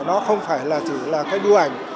nó không phải là chỉ là cái bưu ảnh